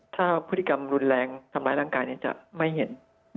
ถ้าพฤติกรรมรุนแรงทำร้ายร่างกายจะไม่เห็น